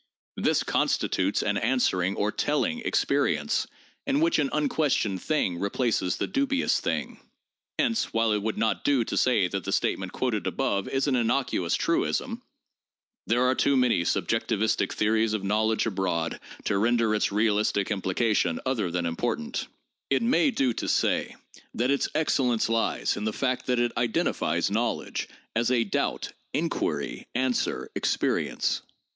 This con stitutes an answering or 'telling' experience in which an unques tioned thing replaces the dubious thing. Hence, while it would not do to say that the statement quoted above is an innocuous truism —there are too many subjectivistic theories of knowledge abroad to render its realistic implication other than important— it may do to say that its excellence lies in the fact that it identifies knowledge as a doubt inquiry answer experience.